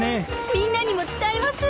みんなにも伝えます。